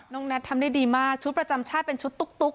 แน็ตทำได้ดีมากชุดประจำชาติเป็นชุดตุ๊ก